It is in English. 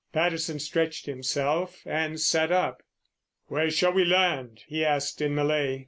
Patterson stretched himself and sat up. "Where shall we land?" he asked in Malay.